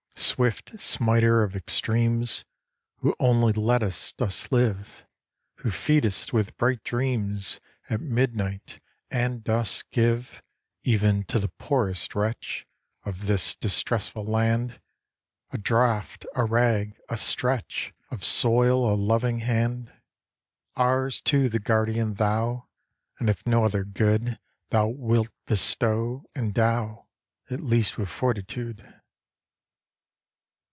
Swift Smiter of extremes, Who only lettest us live; Who feedest with bright dreams At midnight, and dost give Even to the poorest wretch Of this distressful land A draught, a rag, a stretch Of soil, a loving hand, Ours too the guardian Thou; And if no other good Thou wilt bestow, endow At least with fortitude.